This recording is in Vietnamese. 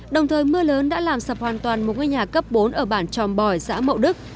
đồng thời mưa lớn đã làm sập hoàn toàn một ngôi nhà cấp bốn ở bản tròm bòi xã mậu đức